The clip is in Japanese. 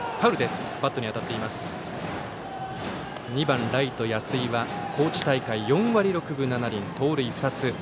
２番、ライトの安井は高知大会は４割６分７厘盗塁２つ。